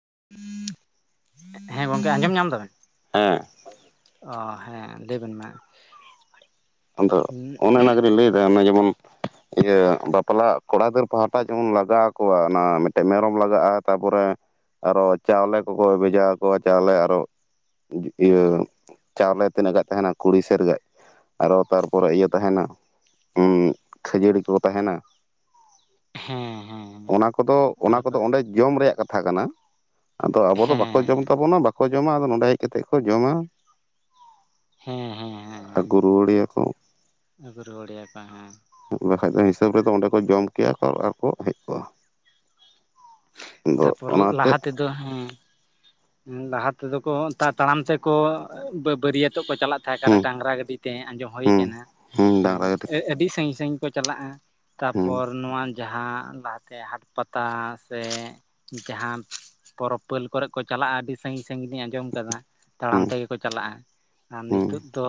[inaudible] ᱦᱮᱸ ᱜᱚᱝᱠᱮ ᱟᱸᱡᱚᱢ ᱧᱟᱢ ᱫᱟᱵᱮᱱ? ᱦᱮᱸ ᱚ ᱦᱮᱸ ᱞᱟᱹᱭ ᱵᱮᱱ ᱢᱟ ᱟᱫᱚ ᱚᱱᱮ ᱚᱱᱟᱱᱟ ᱜᱮᱞᱤᱧ ᱞᱟᱹᱭᱫᱟ ᱚᱱᱟ ᱡᱮᱢᱚᱱ ᱤᱭᱟᱹ ᱵᱟᱯᱞᱟ ᱠᱚᱲᱟ ᱜᱤᱫᱟᱹᱨ ᱯᱟᱦᱴᱟ ᱡᱮᱢᱚᱱ ᱞᱟᱜᱟᱣ ᱟᱠᱚᱣᱟ ᱚᱱᱟ ᱢᱤᱫᱴᱮᱡ ᱢᱮᱨᱚᱢ ᱞᱟᱜᱟᱜᱼᱟ ᱛᱟᱯᱚᱨᱮ ᱟᱨᱚ ᱪᱟᱣᱞᱮ ᱠᱚᱠᱚ ᱵᱷᱮᱡᱟ ᱟᱠᱚᱣᱟ ᱪᱟᱣᱞᱮ ᱟᱨᱚ ᱤᱭᱟᱹ ᱪᱟᱣᱞᱮ ᱛᱤᱱᱟᱹᱜ ᱜᱟᱱ ᱛᱟᱦᱮᱱᱟ ᱠᱩᱲᱤ ᱥᱮᱨ ᱜᱟᱡ ᱟᱨᱚ ᱛᱟᱨᱯᱚᱨᱮ ᱤᱭᱟᱹ ᱛᱟᱦᱮᱱᱟ ᱩᱸ ᱠᱷᱟᱹᱡᱟᱹᱲᱤ ᱠᱚ ᱛᱟᱦᱮᱱᱟ ᱦᱮᱸ ᱦᱮᱸ ᱚᱱᱟ ᱠᱚᱫᱚ ᱚᱱᱟ ᱠᱚᱫᱚ ᱚᱸᱰᱮ ᱡᱚᱢ ᱨᱮᱭᱟᱜ ᱠᱟᱛᱷᱟ ᱠᱟᱱᱟ᱾ ᱟᱫᱚ ᱟᱵᱚ ᱫᱚ ᱵᱟᱠᱚ ᱦᱮᱸ ᱡᱚᱢ ᱛᱟᱵᱚᱱᱟ ᱵᱟᱠᱚ ᱡᱚᱢᱟ ᱟᱫᱚ ᱱᱚᱰᱮ ᱦᱮᱡ ᱠᱟᱛᱮ ᱠᱚ ᱡᱚᱢᱟ ᱦᱮᱸ ᱦᱮᱸ ᱦᱮᱸ ᱦᱮᱸ ᱠᱩᱭᱟᱹᱠᱚ ᱟᱹᱜᱩ ᱨᱩᱣᱟᱹᱲᱮᱭᱟᱠᱚ ᱦᱮᱸ ᱵᱟᱠᱷᱟᱱ ᱫᱚ ᱦᱤᱥᱟᱹᱵ ᱨᱮᱫᱚ ᱚᱸᱰᱮ ᱠᱚ ᱡᱚᱢ ᱠᱮᱭᱟ ᱠᱚ ᱟᱨᱠᱚ ᱦᱮᱡ ᱠᱚᱜᱼᱟ᱾ ᱟᱫᱚ ᱛᱟᱨᱯᱚᱨ ᱚᱱᱟᱛᱮ ᱞᱟᱦᱟ ᱛᱮᱫᱚ ᱦᱮᱸ ᱦᱮᱸ ᱞᱟᱦᱟ ᱛᱮᱫᱚ ᱠᱚ ᱛᱟᱲᱟᱢ ᱛᱮᱠᱚ ᱵᱟᱹᱨᱭᱟᱹᱛ ᱱᱤᱛᱚᱜ ᱠᱚ ᱪᱟᱞᱟᱜ ᱦᱩᱸ ᱛᱟᱦᱮᱸᱠ ᱰᱟᱝᱨᱟ ᱜᱟᱹᱰᱤ ᱛᱮ ᱟᱸᱡᱚᱢ ᱦᱩᱭ ᱦᱩᱸ ᱟᱠᱟᱱᱟ ᱦᱩᱸ ᱰᱟᱝᱨᱟ ᱜᱟᱹᱰᱤ ᱛᱮ ᱟᱹᱰᱤ ᱥᱟᱺᱜᱤᱧ ᱥᱟᱺᱜᱤᱧ ᱠᱚ ᱪᱟᱞᱟᱜᱼᱟ ᱦᱩᱸ ᱛᱟᱯᱚᱨ ᱱᱚᱣᱟ ᱡᱟᱦᱟᱸ ᱞᱟᱦᱟᱛᱮ ᱦᱟᱴ ᱯᱟᱛᱟ ᱥᱮ ᱡᱟᱦᱟᱸ ᱯᱚᱨᱚᱵᱽ ᱯᱟᱹᱞ ᱠᱚᱨᱮ ᱠᱚ ᱪᱟᱞᱟᱜᱼᱟ ᱟᱹᱰᱤ ᱥᱟᱺᱜᱤᱧ ᱥᱟᱺᱜᱤᱧᱤᱧ ᱟᱸᱡᱚᱢ ᱠᱟᱫᱟ ᱛᱟᱲᱟᱢ ᱦᱩᱸ ᱛᱮᱜᱮ ᱠᱚ ᱪᱟᱞᱟᱜᱼᱟ ᱟᱨ ᱱᱤᱛᱳᱜ ᱦᱩᱸ ᱫᱚ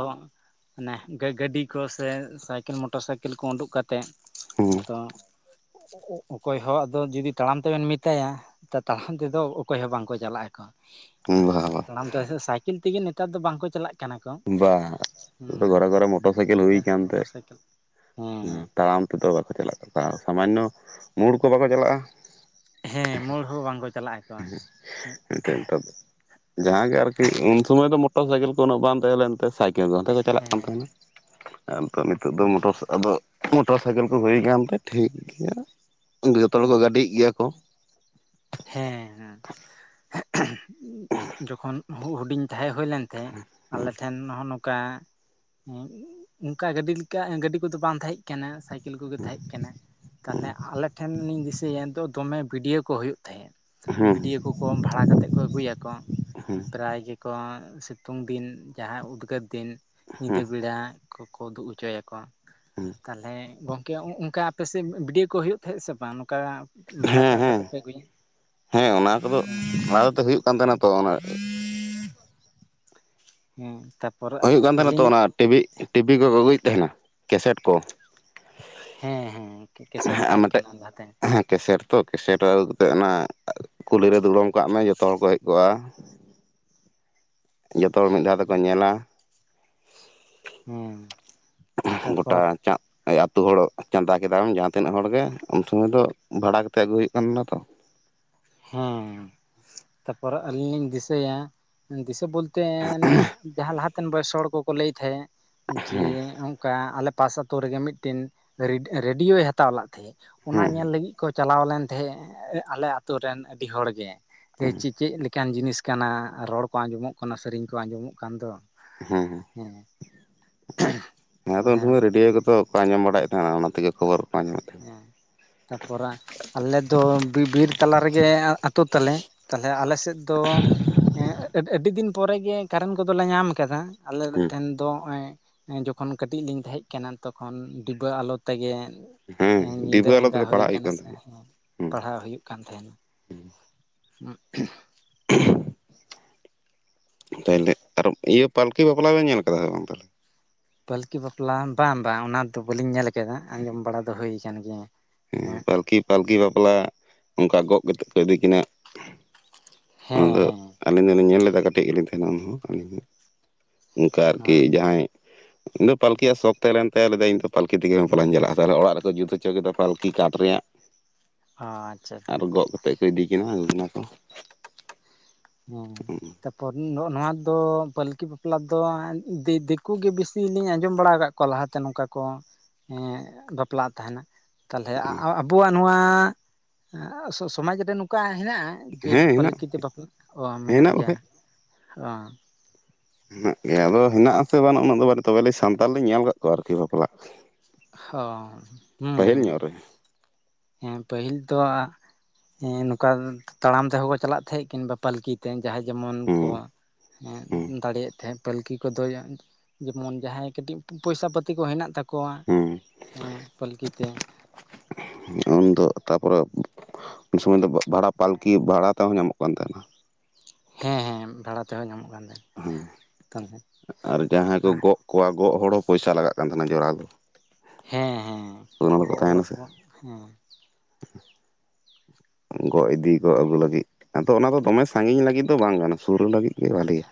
ᱟᱱᱮ ᱜᱟᱹᱰᱤ ᱠᱚ ᱥᱮ ᱥᱟᱭᱠᱮᱞ ᱢᱚᱴᱚᱨ ᱥᱟᱭᱠᱮᱞ ᱠᱚ ᱩᱰᱩᱠ ᱠᱟᱛᱮ ᱛᱮᱫ ᱟᱫᱚ ᱚᱠᱚᱭ ᱦᱚᱸ ᱟᱫᱚ ᱡᱩᱫᱤ ᱛᱟᱲᱟᱢ ᱛᱮᱵᱮᱱ ᱢᱮᱛᱟᱭᱟ ᱛᱟᱲᱟᱢ ᱛᱮᱫᱚ ᱚᱠᱚᱭ ᱦᱚᱸ ᱵᱟᱝᱠᱚ ᱪᱟᱞᱟᱜ ᱟᱠᱚ ᱦᱩᱸ ᱵᱟ ᱵᱟ ᱛᱟᱲᱟᱢ ᱛᱮ ᱥᱟᱭᱠᱮᱞ ᱛᱮᱜᱮ ᱱᱮᱛᱟᱨ ᱫᱚ ᱵᱟᱝᱠᱚ ᱪᱟᱞᱟᱜ ᱠᱟᱱᱟ ᱠᱚ ᱵᱟ ᱜᱚᱨ ᱦᱮᱸ ᱜᱚᱨ ᱢᱚᱴᱚᱨ ᱥᱟᱭᱠᱮᱞ ᱦᱩᱭ ᱱᱮᱛᱟᱨ ᱟᱠᱟᱱ ᱛᱮ ᱢᱚᱴᱚᱨ ᱥᱟᱭᱠᱮᱞ ᱦᱮᱸ ᱦᱩᱸ ᱛᱟᱲᱟᱢ ᱛᱮᱫᱚ ᱵᱟᱠᱚ ᱪᱟᱞᱟᱜ ᱠᱟᱱᱟ ᱥᱟᱢᱟᱱᱱᱚ ᱢᱳᱲ ᱠᱚ ᱵᱟᱠᱚ ᱪᱟᱞᱟᱜᱼᱟ᱾ ᱦᱮᱸ ᱢᱳᱲ ᱦᱚᱸ ᱵᱟᱝᱠᱚ ᱪᱟᱞᱟᱜ ᱟᱠᱚ᱾ ᱡᱟᱦᱟᱸᱜ ᱜᱮ ᱟᱨᱠᱤ ᱩᱱ ᱥᱚᱢᱚᱭ ᱫᱚ ᱢᱚᱴᱚᱨ ᱥᱟᱭᱠᱮᱞ ᱠᱚ ᱩᱱᱟᱹ ᱵᱟᱝ ᱛᱟᱦᱮᱸ ᱞᱮᱱᱛᱮ [unintelligible] ᱪᱟᱞᱟᱜ ᱠᱟᱱ ᱦᱮᱸ ᱛᱟᱦᱮᱱᱟ ᱟᱨ ᱱᱤᱛ ᱱᱤᱛᱚᱜ ᱫᱚ ᱦᱚᱸ ᱢᱚᱴᱚᱨ ᱟᱫᱚ ᱢᱚᱴᱚᱨ ᱥᱟᱭᱠᱮᱞ ᱠᱚ ᱦᱩᱭ ᱟᱠᱟᱱᱛᱮ ᱴᱷᱤᱠ ᱜᱮᱭᱟ ᱡᱚᱛᱚ ᱦᱚᱲᱠᱚ ᱦᱮᱸ ᱜᱟᱹᱰᱤᱭᱮᱜ ᱜᱮᱭᱟ ᱠᱚ ᱦᱮᱸ ᱦᱮᱸ ᱡᱚᱠᱷᱚᱱ ᱦᱩᱰᱤᱧ ᱛᱟᱦᱮᱸ ᱦᱩᱭ ᱞᱮᱱ ᱛᱟᱦᱮᱸ ᱟᱞᱮᱴᱷᱮᱱ ᱠᱟ ᱚᱱᱠᱟ ᱜᱟᱹᱰᱤ ᱞᱮᱠᱟ ᱜᱟᱹᱰᱤ ᱠᱚᱫᱚ ᱵᱟᱝ ᱛᱟᱦᱮᱸ ᱠᱟᱱᱟ ᱥᱟᱭᱠ ᱟᱹᱠᱤᱞ ᱠᱚᱜᱮ ᱛᱟᱦᱮᱸ ᱠᱟᱱᱟ ᱛᱟᱦᱚᱞᱮ ᱟᱞᱮ ᱴᱷᱮᱱ ᱞᱤᱧ ᱫᱤᱥᱟᱹᱭᱭᱟᱤᱛ ᱫᱚᱢᱮ ᱵᱷᱤᱰᱭᱳ ᱠᱚ ᱦᱩᱭᱩᱜ ᱛ ᱛᱟᱦᱮᱸᱫ ᱦᱩᱸ ᱵᱤᱰᱭᱚ ᱠᱚᱠᱚ ᱵᱷᱟᱲᱟ ᱠᱟᱛᱮᱫ ᱠᱚ ᱟᱹᱜᱩᱭᱟ ᱦᱩᱸ ᱯᱨᱟᱭ ᱜᱮᱠᱚ ᱥᱤᱛᱩᱝ ᱫᱤᱱ ᱡᱟᱦᱟᱸᱭ ᱩᱫᱽᱜᱟᱹᱨ ᱫᱤᱱ ᱦᱩᱸ ᱧᱤᱫᱟᱹ ᱵᱮᱲᱟ ᱠᱚᱠᱚ ᱩᱫᱩᱜ ᱦᱚᱪᱚᱭᱟᱠᱚ ᱦᱩᱸ ᱛᱟᱞᱦᱮ [unintelligible] ᱜᱚᱢᱠᱮ ᱚᱱᱠᱟ ᱟᱯᱮᱥᱮᱫ ᱵᱷᱤᱰᱭᱳ ᱠᱚ ᱦᱩᱭᱩᱜ ᱛᱟᱦᱮᱸᱫ ᱥᱮ ᱵᱟᱝ ᱚᱱᱠᱟ ᱵᱷᱟᱲᱟ ᱦᱮᱸ ᱠᱟᱜ ᱦᱮᱸ ᱠᱟᱛᱮ ᱯᱮ ᱟᱹᱜᱩᱭ ᱟ ᱦᱮᱸ ᱚᱱᱟ ᱠᱚᱫᱚ ᱦᱮᱸ ᱦᱮᱸ ᱞᱟᱦᱟ ᱛᱮ ᱦᱩᱭᱩᱜ ᱠᱟᱱ ᱛᱟᱦᱮᱱᱟ ᱛᱚ ᱚᱱᱟ ᱦᱮᱸ ᱛᱟᱨᱯᱚᱨ ᱦᱩᱭᱩᱜ ᱠᱟᱱ ᱛᱟᱦᱮᱱᱟ ᱛᱚ ᱟᱹᱞᱤᱧ ᱚᱱᱟ ᱴᱤᱵᱤ ᱴᱤᱵᱷᱤ ᱠᱚ ᱟᱹᱜᱩᱭᱮᱫ ᱛᱟᱦᱮᱱᱟ ᱠᱮᱥᱮᱴ ᱠᱚ ᱦᱮᱸ ᱦᱮᱸ ᱠᱮᱥᱮᱴ ᱦᱮᱸ ᱛᱟᱦᱮᱸ ᱢᱤᱫᱴᱮᱡ ᱠᱟᱱᱟ ᱞᱟᱦᱟᱛᱮ ᱦᱮᱸ ᱠᱮᱥᱮᱴ ᱛᱚ ᱠᱮᱥᱮᱴ ᱟᱹᱜᱩ ᱠᱟᱛᱮᱫ ᱚᱱᱟ ᱠᱩᱞᱦᱤᱨᱮ ᱫᱩᱲᱩᱵ ᱠᱟᱜ ᱢᱮ ᱡᱚᱛᱚ ᱦᱚᱲ ᱠᱚ ᱦᱮᱡ ᱠᱚᱜᱼᱟ ᱡᱚᱛᱚ ᱦᱚᱲ ᱢᱤᱫ ᱫᱷᱟᱣ ᱛᱮᱠᱚ ᱧᱮᱞᱟ ᱦᱮᱸ ᱩᱱ ᱜᱚᱴᱟ ᱛᱟᱨᱯᱚᱨ ᱪᱟᱜ ᱟᱛᱳ ᱦᱚᱲ ᱪᱚᱸᱫᱟ ᱠᱮᱫᱟᱢ ᱡᱟᱦᱟᱸ ᱛᱤᱱᱟᱹᱜ ᱦᱚᱲ ᱜᱮ ᱩᱱ ᱥᱩᱚᱢᱚᱭ ᱫᱚ ᱵᱷᱟᱲᱟ ᱠᱟᱛᱮᱜ ᱟᱹᱜᱩᱭ ᱦᱩᱭᱩᱜ ᱠᱟᱱ ᱛᱟᱦᱮᱱᱟ ᱛᱚ ᱦ [inaudible] ᱦᱮᱸ ᱛᱟᱯᱚᱨ ᱟᱹᱞᱤᱧ ᱞᱤᱧ ᱫᱤᱥᱟᱹᱭᱟ ᱵᱚᱞᱛᱮ ᱚᱱᱮ ᱡᱟᱦᱟᱸ ᱞᱟᱦᱟᱛᱮᱱ ᱵᱚᱭᱚᱥ ᱦᱚᱲ ᱠᱚᱠᱚ ᱞᱟᱹᱭ ᱛᱟᱦᱮᱸᱫ ᱡᱮ ᱦᱮᱸ ᱚᱱᱠᱟ ᱟᱞᱮ ᱯᱟᱥ ᱟᱛᱳ ᱨᱮᱜᱮ ᱢᱤᱫᱴᱮᱱ ᱨᱮᱰᱤᱭᱳᱭ ᱦᱟᱛᱟᱣ ᱞᱟᱜ ᱛᱟᱦᱮᱸ ᱚᱱᱟ ᱦᱮᱸ ᱧᱮᱞ ᱞᱟᱹᱜᱤᱫ ᱠᱚ ᱪᱟᱞᱟᱣ ᱞᱮᱱᱟ ᱛᱟᱦᱮᱸᱫ ᱟᱞᱮ ᱟᱛᱳ ᱨᱮᱱ ᱟᱹᱰᱤ ᱦᱚᱲ ᱜᱮ ᱡᱮ ᱦᱮᱸ ᱪᱮᱫ ᱞᱮᱠᱟᱱ ᱡᱤᱱᱤᱥ ᱠᱟᱱᱟ ᱨᱚᱲ ᱠᱚ ᱟᱸᱡᱚᱢᱚᱜ ᱠᱟᱱᱟ ᱥᱮᱨᱮᱧ ᱠᱚ ᱟᱸᱡᱚᱢᱚᱜ ᱠᱟᱱ ᱫᱚ ᱦᱮᱸ ᱦᱮᱸᱛᱚ ᱛᱟᱦᱚᱞᱮ ᱩᱱ ᱦᱮᱸ ᱥᱚᱢᱚᱭ ᱨᱮᱰᱤᱭᱳ ᱛᱚ ᱚᱠᱟ ᱧᱚᱢ ᱵᱟᱲᱟᱭᱮᱫ ᱛᱟᱦᱮᱱᱟ ᱚᱱᱟ ᱛᱮᱜᱮ ᱠᱷᱚᱵᱚᱨ ᱠᱚ ᱟᱸᱡᱚᱢᱮᱫ ᱛᱟᱦᱮᱱᱟ ᱦᱮᱸ ᱛᱟᱨᱯᱚᱨᱮ ᱟᱞᱮ ᱫᱚ ᱵᱤᱨ ᱛᱟᱞᱟ ᱨᱮᱜᱮ ᱟᱹᱛᱩ ᱛᱟᱞᱮ ᱛᱟᱦᱞᱮ ᱟᱞᱮ ᱥᱮᱫ ᱫᱚ ᱦᱮᱸ ᱟᱹᱰᱤ ᱫᱤᱱ ᱯᱚᱨᱮᱜ ᱜᱮ ᱠᱟᱨᱮᱱᱴ ᱠᱚᱫᱚᱞᱮ ᱧᱟᱢ ᱠᱟᱫᱟ ᱟᱞᱮ ᱦᱮᱸ ᱴᱷᱮᱱ ᱫᱚ ᱱᱚᱜᱼᱚᱭ ᱡᱚᱠᱷᱚᱱ ᱠᱟᱹᱴᱤᱡ ᱞᱤᱧ ᱛᱟᱦᱮᱸ ᱠᱟᱱᱟ ᱛᱚᱠᱷᱚᱱ ᱰᱤᱵᱟᱹ ᱟᱞᱚ ᱛᱮᱜᱮ ᱦᱮᱸ ᱧᱤᱫᱟᱹ ᱰᱤᱵᱟᱹ ᱟᱞᱚ ᱟᱸᱜᱟ ᱛᱮᱜᱮ ᱦᱩᱭ ᱯᱟᱲᱦᱟᱜ ᱦᱩᱭᱩᱜ ᱠᱟᱱᱟ ᱠᱟᱱ ᱥᱮ ᱛᱟᱦᱮᱱᱟ ᱦᱮᱸ ᱦᱮᱸ ᱯᱟᱲᱦᱟᱣ ᱦᱩᱭᱩᱜ ᱠᱟᱱ ᱛᱟᱦᱮᱱᱟ [unintelligible] ᱛᱟᱦᱞᱮ ᱟᱨ ᱤᱭᱟᱹ ᱯᱟᱞᱠᱤ ᱵᱟᱯᱞᱟ ᱵᱤᱱ ᱧᱮᱞ ᱠᱟᱫᱟ ᱥᱮ ᱵᱟᱝ ᱛᱟᱦᱞᱮ ᱯᱟᱹᱞᱠᱤ ᱵᱟᱯᱞᱟ ᱵᱟᱝ ᱵᱟᱝ ᱚᱱᱟᱫᱚ ᱵᱟᱹᱞᱤᱧ ᱧᱮᱞ ᱠᱮᱫᱟ ᱟᱸᱡᱚᱢ ᱵᱟᱲᱟ ᱫᱚ ᱦᱩᱭ ᱟᱠᱟᱱ ᱜᱮᱭᱟ ᱦᱮᱸ ᱯᱟᱞᱠᱷᱤ ᱯᱟᱞᱠᱷᱤ ᱵᱟᱯᱞᱟ ᱚᱱᱠᱟ ᱜᱚᱜ ᱠᱟᱛᱮᱜ ᱠᱚ ᱤᱫᱤ ᱠᱤᱱᱟᱹ ᱦᱮᱸ ᱚᱱᱟᱫᱚ ᱦᱮᱸ ᱟᱹᱞᱤᱧ ᱫᱚᱞᱤᱧ ᱧᱮᱞ ᱞᱮᱫᱟ ᱠᱟᱹᱴᱤᱡ ᱜᱮᱞᱤᱧ ᱛᱟᱦᱮ ᱠᱟᱱᱟ [inaudible] ᱚᱱᱠᱟ ᱚ ᱟᱨᱠᱤ ᱡᱟᱦᱟᱸᱭ ᱤᱧ ᱫᱚ ᱯᱟᱞᱠᱮᱭᱟᱜ ᱥᱚᱠ ᱛᱟᱦᱮᱸ ᱞᱮᱱ ᱛᱟᱭᱟ ᱞᱮᱫᱟ ᱤᱧ ᱯᱟᱞᱤ ᱛᱮᱜᱮ ᱵᱟᱯᱞᱟ ᱤᱧ ᱪᱟᱞᱟᱜᱼᱟ ᱛᱟᱦᱚᱞᱮ ᱚᱲᱟᱜ ᱨᱮᱠᱚ ᱡᱩᱛ ᱦᱚᱪᱚ ᱠᱮᱫᱟ ᱯᱟᱞᱠᱤ ᱠᱤ ᱠᱟᱴ ᱨᱮᱭᱟᱜ ᱟᱪᱪᱷᱟ ᱟᱪᱪᱷᱟ ᱟᱨ ᱜᱚᱜ ᱠᱟᱛᱮ ᱠᱚ ᱤᱫᱤ ᱠᱤᱱᱟ ᱚᱱᱟ ᱠᱚ ᱦᱮᱸ ᱛᱟᱨᱯᱚᱨ ᱱᱚᱣᱟ ᱫᱚ ᱯᱟᱹᱞᱠᱤ ᱵᱟᱯᱞᱟᱹ ᱫᱚ ᱫᱤᱠᱩ ᱜᱮ ᱵᱤᱥᱤ ᱞᱤᱧ ᱟᱸᱡᱚᱢ ᱵᱟᱲᱟ ᱟᱠᱟᱫ ᱠᱚᱣᱟ ᱞᱟᱦᱟᱛᱮ ᱱᱚᱝᱠᱟ ᱠᱚ ᱠᱚ ᱵᱟᱯᱞᱟᱜ ᱛᱟᱦᱮᱱᱟ ᱛᱟᱦᱚᱞᱮ ᱟᱵᱚᱣᱟᱜ ᱱᱚᱣᱟ ᱥᱚᱢᱟᱡᱽ ᱨᱮ ᱱᱚᱝᱠᱟ ᱦᱮᱱᱟᱜ ᱡᱮ ᱦᱮᱸ ᱦᱮᱱᱟᱜ ᱯᱟᱹᱞᱟᱹᱠᱤ ᱛᱮ ᱵᱟᱹᱦᱩ ᱚ ᱢᱮᱱᱟᱜ ᱦᱮᱱᱟᱜ ᱜᱮᱭᱟ ᱚ ᱦᱮ ᱟᱜ ᱜᱟ ᱟᱫᱚ ᱢᱮᱱᱟᱜᱮᱱᱟᱜ ᱟᱥᱮ ᱵᱟᱝᱩᱜ ᱩᱱᱟᱹᱜ ᱫᱚ ᱛᱮ ᱥᱟᱱᱛᱟᱞ ᱞᱤᱧ ᱧᱮᱞ ᱟᱠᱟᱫ ᱠᱚᱣᱟ ᱟᱨᱠᱤ ᱵᱟᱯᱞᱟᱜ ᱚ ᱦᱩ ᱯᱟᱹᱦᱤᱞ ᱦᱩ ᱧᱚᱜ ᱨᱮ ᱯᱟᱹᱦᱤᱞ ᱫᱚ ᱦᱮᱸ ᱱᱚᱝᱠᱟ ᱛᱟᱲᱟᱢ ᱛᱮᱦᱚᱸᱠᱚ ᱪᱟᱞᱟᱜ ᱛᱟᱦᱮᱸᱜ ᱠᱤᱝᱵᱟ ᱯᱟᱹᱞᱠᱤᱛᱮ ᱡᱟᱦᱟᱸᱭ ᱡᱮᱢᱚᱱ ᱠᱚ ᱦᱮᱸ ᱦᱮᱸ ᱫᱟᱲᱮᱭᱟᱜ ᱛᱟᱦᱮᱸᱫ ᱯᱟᱹᱞᱠᱤ ᱠᱚᱫᱚ ᱡᱮᱢᱚᱱ ᱡᱟᱦᱟᱸᱭ ᱠᱟᱹᱴᱤᱡ ᱯᱚᱭᱥᱟ ᱯᱟᱛᱤ ᱠᱚ ᱦᱮᱱᱟᱜ ᱛᱟᱠᱚ ᱟᱠᱚᱣᱟᱜ ᱦᱮᱸ ᱮ ᱯᱟᱹᱞᱠᱤᱛᱮ ᱛᱟᱨᱯᱚᱨᱮ ᱩᱱ ᱥᱚᱢᱚᱭ ᱫᱚ ᱵᱷᱟᱲᱟ ᱯᱟᱞᱠᱤ ᱵᱷᱟᱲᱟ ᱛᱮᱦᱚᱸ ᱧᱟᱢᱚᱜ ᱠᱟᱱ ᱛᱟᱸᱦᱮᱱᱟ ᱦᱮᱸ ᱦᱮᱸ ᱵᱷᱟᱲᱟ ᱛᱮᱦᱚᱸ ᱧᱟᱢᱚᱜᱼᱟ ᱦᱮᱸ ᱟᱨ ᱡᱟᱦᱟᱸᱭ ᱠᱚ ᱜᱚᱜ ᱠᱚᱣᱟ ᱜᱚᱜ ᱦᱚᱲ ᱦᱚᱸ ᱯᱚᱭᱥᱟ ᱞᱟᱜᱟᱜ ᱠᱟᱱ ᱛᱟᱦᱮᱱᱟ ᱡᱚᱨᱟᱣ ᱫᱚ ᱦᱮᱸ ᱦᱮᱸ ᱟᱫᱚ ᱚᱱᱟ ᱫᱚᱠᱚ ᱜᱚᱜ ᱦᱚᱲ ᱛᱟᱦᱮᱱᱟ ᱥᱮ ᱠᱚᱣᱟᱜ ᱦᱮᱸ ᱜᱚᱜ ᱤᱫᱤ ᱜᱚᱜ ᱟᱹᱜᱩ ᱞᱟᱹᱜᱤᱫ ᱟᱫᱚ ᱚᱱᱟ ᱫᱚᱢᱮ ᱥᱟᱺᱜᱤᱧ ᱞᱟᱹᱜᱤᱫ ᱫᱚ ᱵᱟᱝ ᱠᱟᱱᱟ ᱥᱩᱨ ᱞᱟᱹᱜᱤᱫ ᱜᱮ ᱵᱷᱟᱹᱞᱤᱭᱟ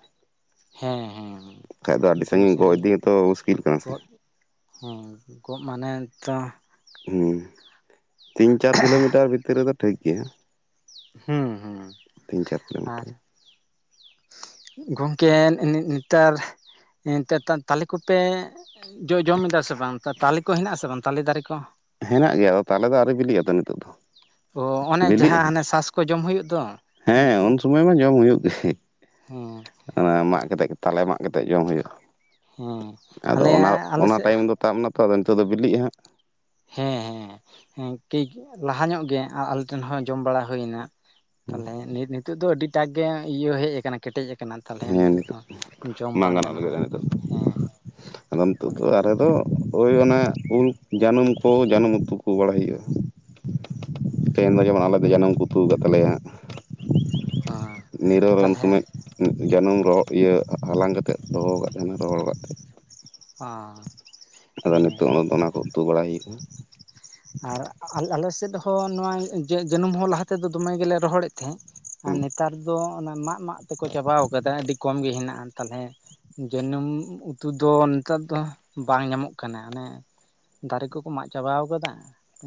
ᱦᱮᱸ ᱦᱮᱸ ᱫᱚᱢᱮ ᱜᱚᱜ ᱥᱟᱺᱜᱤᱧ ᱜᱮ ᱤᱫᱤ ᱦᱚᱸᱛᱚ ᱢᱩᱥᱠᱤᱞ ᱠᱟᱱᱟ ᱥᱮ ᱜᱚᱜ ᱦᱮᱸ ᱜᱚᱜ ᱢᱟᱱᱮ ᱛᱚ ᱦᱮᱸ ᱛᱤᱱ ᱪᱟᱨ ᱠᱤᱞᱳᱢᱤᱴᱟᱨ ᱵᱷᱤᱛᱨᱤ ᱨᱮᱫᱚ ᱴᱷᱤᱠ ᱜᱮᱭᱟ ᱦᱮᱸ ᱦᱩᱸ ᱛᱤᱱ ᱪᱟᱨ ᱟᱨ ᱠᱤᱞᱳᱢᱤᱴᱟᱨ ᱜᱚᱝᱠᱮ ᱠᱮᱱ ᱱᱤ ᱱᱮᱛᱟᱨ ᱛᱟᱻᱛᱟ ᱛᱟᱞᱮ ᱠᱚᱯᱮ ᱡᱚ ᱡᱚᱢᱮᱫᱫᱟ ᱥᱮ ᱵᱟᱝ ᱛᱟᱞᱮ ᱠᱚ ᱦᱮᱱᱟᱜ ᱟᱥᱮ ᱵᱟᱝ ᱛᱟᱞᱮ ᱫᱟᱨᱮ ᱠᱚ ᱦᱮᱱᱟᱜ ᱜᱮᱭᱟ ᱛᱟᱞᱮ ᱫᱚ ᱟᱣᱨᱤ ᱵᱤᱞᱤᱜᱼᱟ ᱛᱚ ᱱᱤᱛᱚᱜ ᱫᱚ ᱚ ᱚᱱᱮ ᱵᱤᱞᱤᱜᱼᱟ ᱡᱟᱦᱟᱸ ᱦᱟᱜ ᱦᱟᱱᱮ ᱥᱟᱥ ᱠᱚ ᱡᱚᱢ ᱦᱩᱭᱩᱜ ᱫᱚ ᱦᱮᱸ ᱩᱱ ᱥᱚᱢᱚᱭ ᱢᱟ ᱡᱚᱢ ᱦᱩᱭᱩᱜ ᱜᱮ ᱚᱱᱟ ᱢᱟᱜ ᱠᱟᱛᱮ ᱛᱟᱞᱮ ᱢᱟᱜ ᱠᱟᱛᱮ ᱡᱚᱢ ᱦᱩᱭᱩᱜᱼᱟ᱾ ᱦᱮᱸ ᱟᱫᱚ ᱟᱞᱮ ᱚᱱᱟ ᱟᱞᱮ ᱚᱱᱟ ᱥᱮᱫ ᱴᱟᱭᱤᱢ ᱫᱚ ᱛᱟᱵ ᱱᱟ ᱛᱚ ᱟᱫᱚ ᱱᱤᱛᱳᱜ ᱫᱚ ᱵᱤᱞᱤᱜᱼᱟ ᱦᱟᱸᱜ᱾ ᱦᱮᱸ ᱦᱮᱸ [unintelligible] ᱞᱟᱦᱟ ᱧᱚᱜ ᱜᱮ ᱟ ᱟᱞᱮ ᱴᱷᱮᱱ ᱦᱚᱸ ᱡᱚᱢ ᱵᱟᱲᱟ ᱦᱩᱭᱮᱱᱟ᱾ ᱛᱟᱞᱦᱮ ᱱᱤᱛᱳᱜ ᱫᱚ ᱟᱹᱰᱤᱴᱟᱠ ᱜᱮ ᱤᱭᱟᱹ ᱦᱮᱡ ᱟᱠᱟᱱᱟ ᱠᱮᱴᱮᱡ ᱠᱟᱱᱟ ᱛᱟᱦᱞᱮ ᱦᱟᱸᱜ ᱦᱮᱸ ᱱᱤᱛᱚᱜ ᱫᱚ ᱡᱚᱢ ᱵᱟᱝ ᱜᱟᱱᱚᱜ ᱜᱟᱱᱚᱜᱼᱟ ᱞᱟᱹᱜᱤᱫᱼᱟ ᱱᱤᱛᱚᱜ ᱦᱮᱸ ᱟᱫᱚ ᱱᱤᱛᱳᱜ ᱛᱟᱦᱚᱞᱮ ᱫᱚ [unintelligible] ᱳᱭ ᱚᱱᱟ ᱩᱞ ᱡᱟᱱᱩᱢ ᱠᱚ ᱡᱟᱱᱟᱢ ᱩᱛᱩ ᱠᱚ ᱵᱟᱲᱟᱭ ᱦᱩᱭᱩᱜᱼᱟ ᱛᱮᱦᱮᱧ ᱫᱚ ᱡᱮᱢᱚᱱ ᱟᱞᱮ ᱫᱚ ᱡᱟᱱᱩᱢ ᱠᱚ ᱩᱛᱩ ᱠᱟᱫ ᱛᱟᱞᱮᱭᱟ ᱦᱟᱜ᱾ ᱟᱸ ᱛᱟᱞᱦᱮ ᱡᱟᱱᱩᱢ [inaudible] ᱤᱭᱟᱹ ᱦᱟᱞᱟᱝ ᱠᱟᱛᱮᱫ ᱫᱚᱦᱚ ᱟᱠᱟᱫ ᱛᱟᱦᱮᱱᱟ ᱨᱚᱦᱚᱲ ᱞᱟᱜᱟᱫ ᱛᱮ ᱦᱟᱸ ᱟᱫᱚ ᱱᱤᱛᱚᱜ [inaudible] ᱚᱱᱟ ᱠᱚ ᱩᱛᱩ ᱵᱟᱲᱟᱭ ᱦᱩᱭᱩᱜᱼᱟ ᱟᱨ ᱟᱞᱮ ᱥᱮᱫ ᱦᱚᱸ ᱱᱚᱣᱟ ᱡᱟᱹᱱᱩᱢ ᱦᱚᱸ ᱞᱟᱦᱟ ᱛᱮᱫᱚ ᱫᱚᱢᱮ ᱜᱮᱞᱮ ᱨᱚᱦᱚᱲᱮᱫ ᱛᱟᱦᱮᱸᱫ ᱟᱨ ᱦᱩᱸ ᱱᱮᱛᱟᱨ ᱫᱚ ᱚᱱᱟ ᱢᱟᱜ ᱢᱟᱜ ᱛᱮᱠᱚ ᱪᱟᱵᱟᱣ ᱠᱟᱫᱟ ᱟᱹᱰᱤ ᱠᱚᱢ ᱜᱮ ᱦᱮᱱᱟᱜᱼᱟ ᱛᱟᱦᱚᱞᱮ ᱡᱟᱹᱱᱩᱢ ᱩᱛᱩ ᱫᱚ ᱱᱮᱛᱟᱨ ᱫᱚ ᱵᱟᱝ ᱧᱟᱢᱚᱜ ᱠᱟᱱᱟ ᱚᱱᱮ ᱫᱟᱨᱮ ᱠᱚᱠᱚ ᱢᱟᱜ ᱪᱟᱵᱟᱣ ᱟᱠᱟᱫᱟ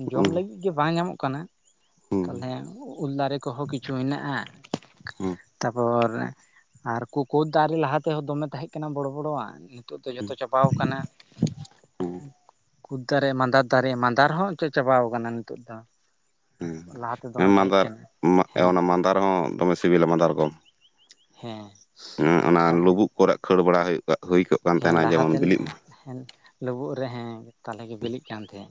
ᱡᱚᱢ ᱦᱩᱸ ᱞᱟᱹᱜᱤᱫ ᱜᱮ ᱵᱟᱝ ᱧᱟᱢᱚᱜ ᱠᱟᱱᱟ ᱦᱩᱸ ᱛᱟᱞᱦᱮ ᱩᱞ ᱫᱟᱨᱮ ᱠᱚᱦᱚᱸ ᱠᱤᱪᱷᱩ ᱦᱮᱱᱟᱜᱼᱟ ᱦᱩᱸ ᱛᱟᱯᱚᱨ ᱟᱨ ᱠᱳ ᱠᱳᱫ ᱫᱟᱨᱮ ᱞᱟᱦᱟ ᱛᱮᱦᱚᱸ ᱫᱚᱢᱮ ᱛᱟᱦᱮᱸᱜ ᱠᱟᱱᱟ ᱵᱚᱲᱚ ᱵᱚᱲᱚᱣᱟᱜ ᱱᱤᱛᱚᱜ ᱫᱚ ᱡᱚᱛᱚ ᱪᱟᱵᱟᱟᱣ ᱟᱠᱟᱱᱟ ᱦᱩᱸ ᱠᱩᱫᱽ ᱫᱟᱨᱮ ᱢᱟᱸᱫᱟᱨ ᱫᱟᱨᱮᱹ ᱢᱟᱫᱟᱨ ᱦᱚᱸ ᱪᱮᱫ ᱪᱟᱵᱟᱣ ᱟᱠᱟᱱᱟ ᱱᱤᱛᱚᱜ ᱫᱚ ᱞᱟᱦᱟᱛᱮ ᱦᱮᱸ ᱫᱚᱢᱮ ᱛᱟᱦᱮᱸ ᱢᱟᱫᱟᱨ ᱠᱟᱱᱟ ᱦᱮᱸ ᱚᱱᱟ ᱢᱟᱸᱫᱟᱨ ᱦᱚᱸ ᱫᱚᱢᱮ ᱥᱤᱵᱤᱞᱟ ᱢᱟᱫᱟᱨ ᱜᱚᱢ ᱦᱮᱸ ᱦᱮᱸ ᱚᱱᱟ ᱛᱟᱦᱚᱞᱮ ᱞᱩᱵᱩᱜ ᱠᱚᱨᱮ ᱠᱷᱟᱹᱲ ᱵᱟᱲᱟ ᱦᱩᱭᱩᱜ ᱦᱩᱭ ᱠᱚᱜ ᱠᱟᱱ ᱦᱮᱸ ᱛᱟᱦᱮᱱᱟ ᱡᱮᱢᱚᱱ ᱞᱟᱦᱟᱛᱮᱱ ᱵᱤᱞᱤᱜ ᱢᱟ ᱞᱩᱵᱩᱜ ᱨᱮ ᱦᱮᱸ ᱛᱟᱞᱦᱮ ᱜᱮ ᱵᱤᱞᱤᱜ ᱠᱟᱱ ᱛᱟᱦᱮᱸ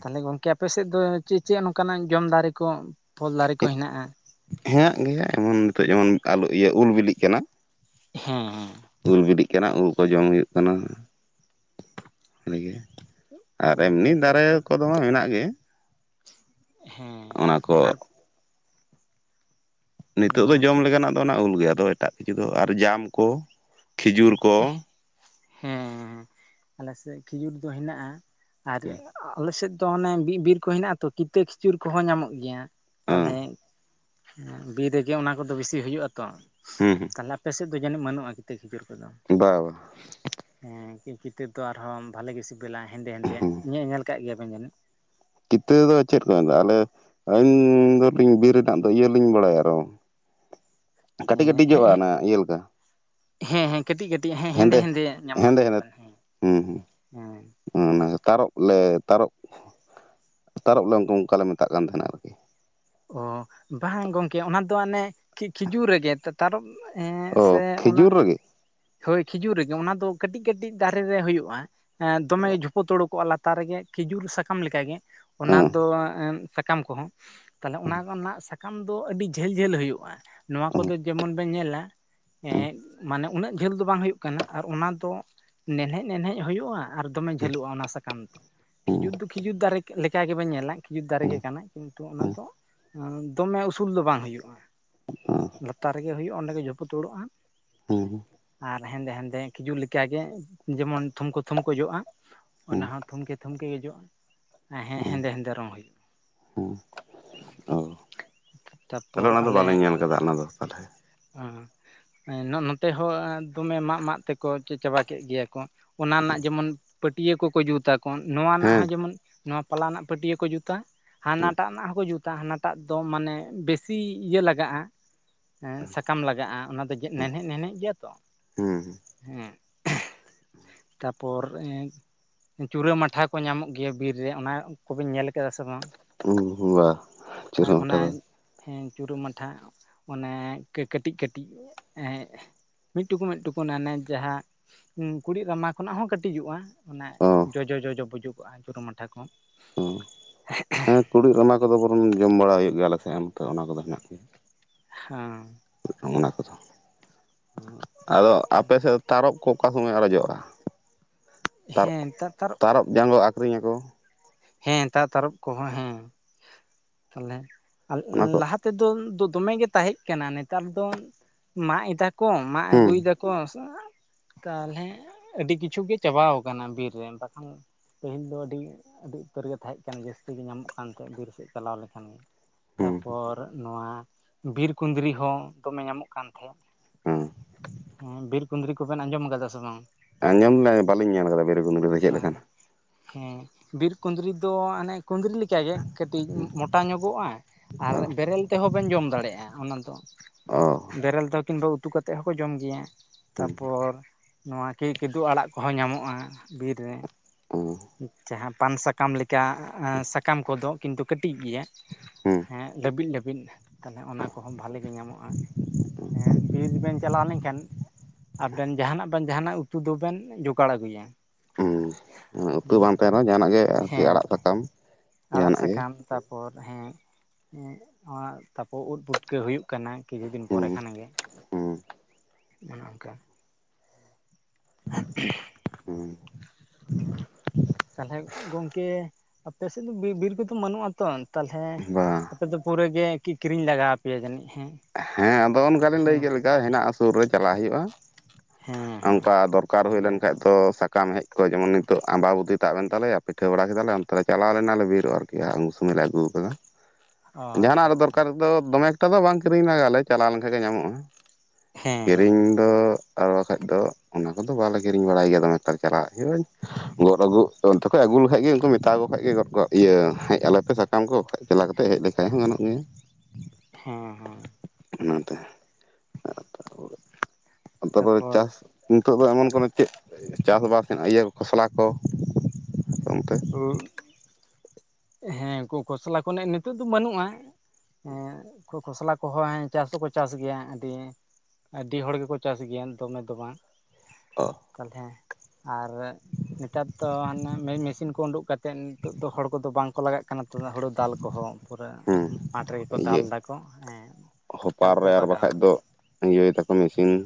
ᱛᱟᱦᱞᱮ ᱜᱚᱝᱠᱮ ᱟᱯᱮ ᱥᱮᱫ ᱫᱚ ᱪᱮᱫ ᱪᱮᱫ ᱱᱚᱝᱠᱟᱱᱟᱜ ᱡᱚᱢ ᱫᱟᱨᱮᱹ ᱠᱚ? ᱯᱷᱚᱞ ᱫᱟᱨᱮ ᱠᱚ ᱦᱮᱱᱟᱜᱼᱟ ᱦᱮᱸᱱᱟᱜ ᱜᱮᱭᱟ ᱮᱢᱚᱱ ᱱᱤᱛᱚᱜ ᱡᱮᱢᱚᱱ [inaudible] ᱩᱞ ᱵᱤᱞᱤᱜ ᱠᱟᱱᱟ ᱦᱩᱸ ᱦᱩᱸ ᱩᱞ ᱵᱤᱞᱤᱜ ᱠᱟᱱᱟ ᱩᱞ ᱠᱚ ᱡᱚᱢ ᱦᱩᱭᱩᱜ ᱠᱟᱱᱟ ᱟᱨ ᱩᱞ ᱠᱚ ᱮᱢᱱᱤ ᱫᱟᱨᱮ ᱛᱟᱯᱚᱨᱮ ᱠᱚᱫᱚ ᱢᱟ ᱢᱮᱱᱟᱜ ᱜᱮ ᱦᱮᱸ ᱚᱱᱟ ᱠᱚ ᱟᱨ ᱱᱤᱛᱚᱜ ᱫᱚ ᱱᱚᱣᱟ ᱡᱚᱢ ᱞᱮᱠᱟᱱᱟᱜ ᱫᱚ ᱚᱱᱟ ᱩᱞ ᱜᱮ ᱟᱫᱚ ᱮᱴᱟᱜ ᱠᱤᱪᱷᱩ ᱫᱚ ᱟᱨ ᱡᱟᱢ ᱠᱚ ᱠᱷᱤᱡᱩᱨ ᱠᱚ ᱦᱮᱸ ᱟᱞᱮᱥᱮᱫ ᱠᱷᱤᱡᱩᱨ ᱫᱚ ᱦᱮᱱᱟᱜᱼᱟ ᱟᱨ ᱟᱞᱮᱥᱮᱫ ᱚᱱᱮ ᱵᱤ-ᱵᱤᱨ ᱠᱚ ᱦᱮᱱᱟᱜᱼᱟ ᱛᱚ ᱠᱤᱛᱟᱹ ᱠᱷᱤᱡᱩᱨ ᱠᱚᱦᱚᱸ ᱧᱟᱢᱚᱜ ᱜᱮᱭᱟ ᱦᱮᱸ ᱛᱟᱞᱦᱮ ᱵᱤᱨ ᱨᱮᱜᱮ ᱚᱱᱟ ᱠᱚᱫᱚ ᱵᱤᱥᱤ ᱦᱩᱭᱩᱜ-ᱟ ᱛᱚ ᱦᱩᱸ ᱛᱟᱦᱞᱮ ᱟᱯᱮ ᱥᱮᱫ ᱫᱚ ᱡᱟᱹᱱᱤᱡ ᱵᱟᱹᱱᱩᱜᱼᱟ ᱠᱤᱛᱟᱹ [unintelligible] ᱠᱷᱤᱡᱩᱨ ᱠᱚᱫᱚ ᱦᱩᱸ ᱵᱟ ᱵᱟ ᱦᱮᱸ ᱠᱤᱛᱟᱹ ᱫᱚ ᱟᱨᱦᱚᱸ ᱵᱷᱟᱞᱮ ᱜᱮ ᱥᱤᱵᱤᱞᱟ ᱦᱮᱸᱫᱮ ᱦᱮᱸᱫᱮ ᱦᱩᱸ ᱧᱮ-ᱧᱮᱞ ᱠᱟᱜ ᱜᱮᱭᱟᱵᱤᱱ ᱡᱟᱹᱱᱤᱡ ᱠᱤᱛᱟᱹ ᱫᱚ ᱪᱮᱫ ᱠᱚ ᱢᱮᱛᱟᱜ-ᱟ ᱟᱞᱮ ᱟᱹᱞᱤᱧ ᱫᱚᱞᱤᱧ ᱵᱤᱨ ᱨᱮᱱᱟᱜ ᱫᱚ ᱤᱭᱟᱹ ᱞᱤᱧ ᱵᱟᱲᱟᱭᱟ ᱟᱨᱚ ᱠᱟᱹᱴᱤᱡ ᱠᱟᱹᱴᱤᱡ ᱦᱮᱸ ᱡᱚᱜᱼᱟ ᱚᱱᱟ ᱤᱭᱟᱹ ᱞᱮᱠᱟ ᱦᱮᱸ ᱦᱮᱸ ᱠᱟᱹᱴᱤᱡ ᱠᱟᱹᱴᱤᱡ ᱦᱮᱸ ᱦᱮᱸᱫᱮ ᱦᱮᱸᱫᱮ ᱧᱟᱢᱚᱜᱼᱟ ᱦᱮᱸᱫᱮ ᱧᱮᱞ ᱦᱮᱸᱫᱮ ᱦᱩᱸ ᱦᱩᱸ [inaudible] ᱛᱟᱨᱚᱵ ᱞᱮ ᱛᱟᱨᱚᱵ ᱛᱟᱨᱚᱵ ᱞᱮ ᱚᱱᱠᱟᱞᱮ ᱢᱮᱛᱟᱜ ᱠᱟᱱ ᱛᱟᱦᱮᱸᱜ-ᱟ ᱟᱨᱠᱤ ᱚ ᱵᱟᱝ ᱜᱚᱢᱠᱮ ᱚᱱᱟ ᱫᱚ ᱚᱱᱮ ᱠᱷᱤᱡᱩᱨ ᱨᱮᱜᱮ ᱛᱟᱨᱚᱵ ᱮᱸ ᱥᱮ ᱚ ᱚᱱᱟ ᱠᱷᱤᱡᱩᱨ ᱨᱮᱜᱮ ᱦᱳᱭ ᱠᱷᱤᱡᱩᱨ ᱨᱮᱜᱮ ᱚᱱᱟ ᱫᱚ ᱠᱟᱹᱴᱤᱡ ᱠᱟᱹᱴᱤᱡ ᱫᱟᱨᱮ ᱨᱮ ᱦᱩᱭᱩᱜ-ᱟ ᱮᱸ ᱫᱚᱢᱮ ᱡᱷᱩᱯᱩ ᱛᱩᱲᱩ ᱠᱚᱜ-ᱟ [unintelligible] ᱞᱟᱛᱟ ᱨᱮᱜᱮ ᱠᱷᱤᱡᱩᱨ ᱥᱟᱠᱟᱢ ᱞᱮᱠᱟᱜᱮ ᱚᱱᱟ ᱦᱮᱸ ᱫᱚ ᱥᱟᱠᱟᱢ ᱠᱚᱦᱚᱸ ᱛᱟᱞᱦᱮ ᱚᱱᱟ ᱨᱮᱱᱟᱜ ᱥᱟᱠᱟᱢ ᱫᱚ ᱟᱹᱰᱤ ᱡᱷᱟᱹᱞ ᱡᱷᱟᱹᱞ ᱦᱩᱭᱩᱜᱼᱟ ᱱᱚᱣᱟ ᱦᱩᱸ ᱠᱚᱫᱚ ᱡᱮᱢᱚᱱ ᱵᱮᱱ ᱧᱮᱞᱟ ᱦᱩᱸ ᱮᱸ ᱢᱟᱱᱮ ᱩᱱᱟᱹᱜ ᱡᱷᱟᱹᱞ ᱫᱚ ᱵᱟᱝ ᱦᱩᱭᱩᱜ ᱠᱟᱱᱟ ᱟᱨ ᱚᱱᱟ ᱫᱚ ᱱᱦᱮᱡ ᱱᱦᱮᱡ ᱦᱩᱭᱩᱜᱼᱟ ᱟᱨ ᱫᱚᱢᱮ ᱡᱷᱟᱹᱞᱩᱜᱼᱟ ᱚᱱᱟ ᱥᱟᱠᱟᱢ ᱫᱚ ᱦᱩᱸ ᱠᱷᱤᱡᱩᱨ ᱫᱚ ᱠᱷᱤᱡᱩᱨ ᱫᱟᱨᱮ ᱞᱮᱠᱟ ᱜᱮᱵᱮᱱ ᱧᱮᱞᱟ ᱠᱷᱮᱡᱩᱨ ᱦᱩᱸ ᱫᱟᱨᱮ ᱦᱩᱸ ᱜᱮ ᱠᱟᱱᱟ ᱠᱤᱱᱛᱩ ᱚᱱᱟ ᱫᱚ ᱫᱚᱢᱮ ᱩᱥᱩᱞ ᱫᱚ ᱵᱟᱝ ᱦᱩᱭᱩᱜᱼᱟ ᱞᱟᱛᱟᱨ ᱨᱮᱜᱮ ᱦᱩᱭᱩᱜᱼᱟ ᱚᱸᱰᱮ ᱜᱮ ᱡᱟᱹᱯᱩ ᱫᱩᱲᱩᱜᱼᱟ᱾ ᱦᱮᱸ ᱦᱮᱸ [inaudible] ᱟᱨ ᱦᱮᱸᱫᱮ ᱦᱮᱸᱫᱮ ᱠᱷᱤᱡᱩᱜᱠᱟᱜᱮ ᱡᱮᱢᱚᱱ ᱠᱚᱛᱷᱚᱢ ᱠᱚᱛᱷᱚᱢ ᱠᱚ ᱚᱡᱚᱜᱼᱟ ᱦᱩᱸ ᱚᱱᱟ ᱦᱚᱸ ᱛᱷᱩᱢᱠᱮ ᱛᱷᱩᱢᱠᱮ ᱚᱡᱚᱜᱼᱟ ᱦᱮᱸ ᱦᱩᱸ ᱦᱮᱸᱫᱮ ᱦᱮᱸᱫᱮ ᱨᱚᱝ ᱦᱩᱭᱩᱜᱼᱟ᱾ ᱛᱟᱦᱞᱮ ᱛᱟᱨᱯᱚᱨ ᱚᱱᱟ ᱫᱚ ᱟᱞᱮ ᱵᱟᱞᱮ ᱧᱮᱞ ᱠᱟᱫᱟ ᱚᱱᱟ ᱫᱚ ᱛᱟᱦᱞᱮ [unintelligible] ᱛᱮ ᱦᱚᱸ ᱫᱚᱢᱮ ᱢᱟᱜ ᱢᱟᱜ ᱛᱮᱠᱚ ᱪᱟᱵᱟ ᱠᱮᱫ ᱜᱮᱭᱟ ᱠᱚ ᱚᱱᱟ ᱨᱮᱱᱟᱜ ᱡᱮᱢᱚᱱ ᱯᱟᱹᱴᱭᱟᱹ ᱠᱚᱠᱚ ᱡᱩᱛᱟ ᱱᱚᱣᱟ ᱨᱮᱱᱟᱜ ᱦᱮᱸ ᱦᱚᱸ ᱡᱮᱢᱚᱱ ᱱᱚᱣᱟ ᱯᱟᱞᱟ ᱨᱮᱱᱟᱜ ᱯᱟᱹᱴᱭᱟᱹ ᱠᱚ ᱡᱩᱛᱟ ᱦᱮᱸ ᱦᱟᱱᱟᱴᱟᱜ ᱨᱮᱱᱟᱜ ᱦᱚᱸᱠᱚ ᱡᱩᱛᱟ ᱟᱜ ᱦᱟᱱᱟᱴᱟᱜ ᱫᱚ ᱢᱟᱱᱮ ᱵᱮᱥᱤ ᱤᱭᱟᱹ ᱞᱟᱜᱟᱜᱼᱟ ᱥᱟᱠᱟᱢ ᱞᱟᱜᱟᱜᱼᱟ ᱚᱱᱟ ᱫᱚ ᱱᱦᱮᱜ ᱱᱦᱮᱜ ᱜᱮᱭᱟ ᱛᱚ ᱦᱮᱸ ᱦᱮᱸ [inaudible] ᱛᱟᱨᱯᱚᱨ ᱮ ᱪᱲᱟᱹ ᱢᱟᱴᱷᱟ ᱠᱚ ᱧᱟᱢᱚᱜ ᱜᱮᱭᱟ ᱵᱤᱨ ᱨᱮ ᱚᱱᱟ ᱠᱚᱵᱤᱱ ᱧᱮᱞ ᱠᱮᱫᱟ ᱥᱮ ᱵᱟᱝ ᱵᱟ ᱪᱤᱨᱦ ᱦᱚᱸᱴᱷᱟ ᱫᱚ ᱦᱮᱸ ᱪᱩᱨᱩ ᱢᱟᱴᱷᱟ ᱚᱱᱮ ᱠᱟᱹᱴᱤᱡ ᱠᱟᱹᱴᱤᱡ ᱮ ᱢᱤᱫᱴᱩᱠᱩ ᱢᱤᱫᱴᱩᱠᱩᱮ ᱡᱟᱦᱟᱸ ᱠᱩᱲᱤ ᱨᱟᱢᱟ ᱠᱷᱚᱱᱟᱜ ᱦᱚᱸ ᱠᱟᱹᱴᱤᱡᱚᱜᱼᱟ ᱚᱱᱟᱮ ᱚ ᱡᱚᱡ ᱡᱚ ᱡᱚᱡᱚ ᱵᱩᱡᱩᱜᱼᱟ ᱡᱩᱨᱩ ᱢᱟᱴᱷᱟ ᱠᱚ ᱦ ᱦᱮᱸ ᱠᱩᱲᱤᱫ ᱨᱟᱢᱟ ᱠᱚᱫᱚ ᱵᱚᱱ ᱚᱱ ᱡᱚᱢ ᱵᱟᱲᱟᱟᱭ ᱦᱩᱭᱩᱜ ᱜᱮᱭᱟ ᱟᱞᱮ ᱥᱮᱫ ᱮᱢ ᱚᱱᱟ ᱠᱚᱫᱚ ᱦᱮᱱᱟᱜ ᱜᱮᱭᱟ ᱦᱮᱸ ᱚᱱᱟ ᱟᱫᱚ ᱟᱯᱮ ᱛᱟᱦᱚᱞᱮ ᱥᱮᱫ ᱛᱟᱨᱚᱵ ᱠᱚ ᱚᱠᱟ ᱥᱚᱢᱚᱭ ᱟᱨᱡᱚᱜᱼᱟ ᱦᱮᱸ ᱱᱮᱛᱟᱨ ᱛᱟᱨᱚᱵ ᱛᱟᱨᱚᱚᱵ ᱡᱟᱸᱜᱚ ᱟᱠᱷᱨᱤᱧ ᱟᱠᱚ ᱦᱮᱸ ᱛᱟᱜ ᱛᱟᱨᱚᱯ ᱠᱚᱦᱚᱸ ᱦᱮᱸ ᱛᱟᱦᱚᱞᱮ ᱚᱱᱟ ᱠᱚ ᱞᱟᱦᱟ ᱛᱮᱫᱚ ᱫᱚᱢᱮ ᱜᱮ ᱛᱟᱦᱮᱸ ᱠᱟᱱᱟ ᱱᱮᱛᱟᱨ ᱫᱚ ᱢᱟᱟᱜ ᱮᱫᱟ ᱠᱚ ᱢᱟᱜ ᱦᱩᱸ ᱟᱹᱜᱩᱭᱮᱫᱟ ᱠᱚ ᱥᱮ ᱛᱟᱦᱚᱞᱮ ᱟᱹᱰᱤ ᱠᱤᱪᱷᱩ ᱜᱮ ᱪᱟᱵᱟᱟᱣ ᱠᱟᱱᱟ ᱵᱤᱨ ᱨᱮ ᱵᱟᱠᱷᱟᱱ ᱯᱟᱹᱦᱤᱞ ᱫᱚ ᱟᱹᱰᱤ ᱟᱹᱰᱤ ᱩᱛᱟᱹᱨ ᱜᱮ ᱛᱟᱦᱮᱸ ᱠᱟᱱᱟ ᱡᱟᱹᱥᱛᱤ ᱜᱮ ᱧᱟᱢᱚᱜ ᱠᱟᱱ ᱛᱟᱦᱮᱸ ᱵᱤᱨ ᱥᱮᱫ ᱪᱟᱞᱟᱣ ᱞᱮᱠᱷᱟᱱ ᱜᱮ ᱦᱩᱸ ᱛᱟᱯᱚᱨ ᱱᱚᱣᱟ ᱵᱤᱨ ᱠᱩᱸᱫᱽᱨᱤ ᱦᱚᱸ ᱫᱚᱢᱮ ᱧᱟᱢᱚᱜ ᱠᱟᱱ ᱛᱟᱦᱮᱸᱫ ᱦᱩᱸ ᱦᱚᱸ ᱵᱤᱨ ᱠᱩᱸᱫᱽᱨᱤ ᱠᱚᱵᱮᱱ ᱟᱸᱡᱚᱢ ᱠᱟᱫᱟ ᱥᱮ ᱵᱟᱝ? ᱟᱸᱡᱚᱢ [unintelligible] ᱵᱟᱞᱤᱧ ᱧᱮᱞ ᱟᱠᱟᱫᱟ ᱵᱤᱨᱤᱨ ᱜᱩᱫᱽᱲ ᱫᱚ ᱪᱮᱫ ᱞᱮᱠᱟᱱ ᱦᱮᱸ ᱵᱤᱨ ᱠᱩᱸᱫᱽᱨᱤ ᱫᱚ ᱚᱱᱮ ᱠᱩᱸᱫᱽᱨᱤ ᱞᱮᱠᱟᱜᱮ ᱠᱟᱹᱴᱤᱡ ᱢᱚᱴᱟ ᱧᱚᱜᱚᱜᱼᱟ᱾ ᱟᱨ ᱵᱮᱨᱮᱞ ᱛᱮᱦᱚᱸ ᱵᱮᱱ ᱡᱚᱢ ᱫᱟᱲᱮᱭᱟᱜᱼᱟ ᱚᱱᱟ ᱫᱚ ᱚ ᱵᱮᱨᱮᱞ ᱛᱮᱦᱚᱸ ᱠᱤᱢᱵᱟ ᱩᱛᱩ ᱩᱛᱩ ᱠᱟᱛᱮᱫ ᱦᱚᱠᱚ ᱡᱚᱢ ᱜᱮᱭᱟ ᱦᱩᱸ ᱛᱟᱯᱚᱨ ᱱᱚᱣᱟ ᱠᱤ ᱠᱤᱫᱩ ᱟᱲᱟᱜ ᱠᱚᱦᱚᱸ ᱧᱟᱢᱚᱜᱼᱟ ᱵᱤᱨ ᱨᱮ ᱦᱩᱸ ᱡᱟᱦᱟᱸ ᱯᱟᱱ ᱥᱟᱠᱟᱢ ᱥᱟᱠᱟᱢ ᱞᱮᱠᱟ ᱥᱟᱠᱟᱢ ᱠᱚᱫᱚ ᱠᱤᱱᱛᱩ ᱠᱟᱹᱴᱤᱡ ᱜᱮᱭᱟ ᱦᱩᱸ ᱦᱮ ᱞᱟᱹᱵᱤᱫ ᱞᱟᱹᱵᱤᱫ ᱛᱟᱦᱞᱮ ᱚᱱᱟ ᱠᱚᱦᱚᱸ ᱵᱷᱟᱞᱤ ᱜᱮ ᱧᱟᱢᱚᱜᱼᱟ᱾ ᱦᱮᱸ ᱵᱤᱨ ᱵᱮᱱ ᱪᱟᱞᱟᱣ ᱞᱮᱱᱠᱷᱟᱱ ᱟᱵᱮᱱ ᱡᱟᱦᱟᱱᱟᱜ ᱵᱮᱱ ᱡᱟᱦᱟᱱᱟᱜ ᱩᱛᱩ ᱫᱚᱵᱮᱱ ᱡᱚᱜᱟᱲ ᱟᱹᱜᱩᱭᱟ᱾ ᱦᱮᱸ ᱩᱛᱩ ᱵᱟᱝ ᱛᱟᱦᱮᱸᱱ ᱨᱮᱦᱚᱸ ᱡᱟᱦᱟᱱᱟᱜ ᱜᱮ ᱟᱨᱠᱤ ᱦᱮᱸ ᱟᱲᱟᱜ ᱥᱟᱠᱟᱢ ᱟᱲᱟᱜ ᱡᱟᱦᱟᱱᱟᱜ ᱜᱮ ᱥᱟᱠᱟᱢ ᱛᱟᱯᱚᱨ ᱦᱮᱸ ᱛᱟᱯᱚᱨ ᱩᱫ ᱯᱩᱴᱠᱟᱹ ᱦᱩᱭᱩᱜ ᱠᱟᱱᱟ ᱠᱤᱪᱷᱩ ᱫᱤᱱ ᱦᱩᱸ ᱯᱚᱨᱮ ᱠᱷᱟᱱ ᱜᱮ ᱦᱩᱸ ᱚᱱᱮ ᱚᱱᱠᱟ [inaudible] [inaudible] ᱛᱟᱦᱚᱞᱮ ᱜᱚᱝᱠᱮ ᱟᱯᱮ ᱥᱮᱫ ᱫᱚ ᱵᱤᱨ ᱠᱚᱫᱚ ᱵᱟᱹᱱᱩᱜᱼᱟ ᱛᱚ ᱛᱟᱦᱚᱞᱮ ᱵᱟ ᱟᱯᱮ ᱫᱚ ᱯᱩᱨᱟᱹ ᱜᱮ ᱠᱤᱨᱤᱧ ᱞᱟᱜᱟᱣ ᱯᱮᱭᱟ ᱡᱟᱹᱱᱤᱡ ᱦᱮᱸ ᱦᱮᱸ ᱟᱫᱚ ᱚᱱᱠᱟᱞᱤᱧ ᱞᱟᱹᱭ ᱦᱮᱸ ᱠᱮᱫ ᱞᱮᱠᱟ ᱦᱮᱱᱟᱜᱼᱟ ᱥᱩᱨ ᱨᱮ ᱪᱟᱞᱟᱜ ᱦᱩᱭᱩᱜᱼᱟ᱾ ᱦᱮᱸ ᱦᱮᱸ ᱚᱝᱠᱟ ᱫᱚᱨᱠᱟᱨ ᱦᱩᱭ ᱛᱟᱦᱚᱞᱮ ᱞᱮᱱ ᱠᱷᱟᱡ ᱫᱚ ᱥᱟ [unintelligible] ᱥᱟᱠᱟᱢ ᱦᱮᱡ ᱠᱚ ᱡᱮᱢᱚᱱ ᱱᱤᱛᱚᱜ ᱟᱵᱟᱵᱩᱤ ᱛᱟ ᱮᱱ ᱛᱟᱞᱮᱭᱟ ᱯᱤᱴᱷᱟᱹ ᱵᱟᱲᱟ ᱠᱮᱫᱟᱞᱮ ᱚᱱᱛᱮ ᱪᱟᱞᱟᱣ ᱞᱮᱱᱟᱞᱮ [unintelligible] ᱟᱨᱠᱤ ᱩᱱ ᱥᱚᱢᱚᱭ ᱮ ᱟᱹᱜᱩ ᱟᱠᱟᱫᱟ ᱚ ᱟᱪᱪᱷᱟ ᱡᱟᱦᱟᱱᱟᱜ ᱨᱮ ᱟᱪᱪᱷᱟ ᱫᱚᱨᱠᱟᱨ ᱫᱚ ᱫᱚᱢᱮ ᱮᱠᱴᱟ ᱫᱚ ᱵᱟᱝ ᱠᱤᱨᱤᱧ ᱞᱟᱜᱞᱮ ᱪᱟᱞᱟᱣ ᱞᱮᱱᱠᱷᱟᱱ ᱜᱮ ᱧᱟᱢᱚᱜᱼᱟ᱾ ᱦᱮᱸ ᱦᱮᱸ ᱠᱤᱨᱤᱧ ᱫᱚ ᱟᱨ ᱵᱟᱠᱷᱟᱡ ᱫᱚ ᱚᱱᱟ ᱠᱚᱫᱚ ᱵᱟᱞᱮ ᱠᱤᱨᱤᱧ ᱵᱟᱲᱟᱭ ᱜᱮᱭᱟ ᱱᱮᱛᱟᱨ ᱪᱟᱞᱟᱜ ᱦᱩᱭᱩᱜ-ᱟᱹᱜᱚᱫ ᱟᱹᱜᱩ ᱛᱮ ᱟᱹᱜᱩ ᱠᱩᱞ ᱠᱷᱟᱡ ᱜᱮ ᱩᱱᱠᱩ ᱢᱮᱛᱟᱣᱟᱠᱚ ᱠᱷᱟᱡ ᱜᱮ ᱜᱚᱫ ᱤᱭᱟᱹ ᱦᱮᱡ ᱟᱞᱮᱯᱮ ᱥᱟᱠᱟᱢ ᱠᱚ ᱵᱟᱠᱷᱟᱡ ᱪᱟᱞᱟᱣ ᱠᱟᱛᱮ ᱦᱮᱡ ᱞᱮᱠᱷᱟᱡ ᱦᱚᱸ ᱜᱟᱱᱚᱜ ᱜᱮᱭᱟ ᱦᱮᱸ ᱦᱮᱸ ᱚᱱᱟᱛᱮ ᱛᱟᱨᱯᱚᱨᱮ ᱛᱟᱯᱚᱨ ᱪᱟᱥ ᱱᱤᱛᱚᱜ ᱫᱚ ᱮᱢᱚᱱ ᱠᱚᱱᱚ ᱪᱮᱫ ᱪᱟᱥᱵᱟᱥ ᱦᱮᱱᱟᱜᱼᱟ ᱤᱭᱟᱹ ᱠᱷᱚᱥᱞᱟ ᱠᱚ ᱚᱱᱛᱮ ᱦᱮᱸ ᱩᱱᱠᱩ ᱠᱷᱚᱥᱞᱟ ᱠᱚᱱᱟᱜ ᱱᱤᱛᱳᱜ ᱫᱚ ᱵᱟᱹᱱᱩᱜᱼᱟ᱾ ᱦᱮᱸ ᱠᱷᱚᱥᱞᱟ ᱠᱚᱦᱚᱸ ᱪᱟᱥ ᱫᱚᱠᱚ ᱪᱟᱥ ᱜᱮᱭᱟ ᱟᱹᱰᱤ ᱟᱹᱰᱤ ᱦᱚᱲ ᱜᱮᱠᱚ ᱪᱟᱥ ᱜᱮᱭᱟ ᱫᱚᱢᱮ ᱫᱚ ᱵᱟᱝ ᱛᱟᱞᱦᱮ ᱟᱨ ᱱᱮᱛᱟᱨ ᱫᱚ ᱦᱮ ᱢᱮᱥᱤᱱ ᱠᱚ ᱩᱰᱩᱠ ᱠᱟᱛᱮᱫ ᱱᱤᱛᱚᱜ ᱫᱚ ᱦᱚᱲ ᱠᱚᱫᱚ ᱠᱚ ᱵᱟᱝᱠᱚ ᱞᱟᱜᱟᱜ ᱠᱟᱱᱟ ᱦᱩᱲᱩ ᱫᱟᱞ ᱠᱚᱦᱚᱸ ᱯᱩᱨᱟᱹ ᱦᱩᱸ ᱢᱟᱴᱷ ᱨᱮᱜᱮ ᱠᱚ ᱫᱟᱞ ᱤᱭᱟᱹ ᱫᱟᱠᱚ ᱦᱮᱸ ᱦᱚᱯᱟᱨ ᱮᱠᱟᱞᱛᱮ ᱨᱮ ᱟᱨ ᱵᱟᱜᱟᱣ ᱵᱟᱠᱷᱟᱡ ᱫᱚ ᱤᱭᱟᱹᱭ ᱛᱟᱠᱚ ᱢᱮᱥᱤᱱ ᱦᱮᱸ